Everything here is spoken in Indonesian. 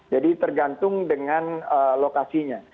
jadi tergantung dengan lokasinya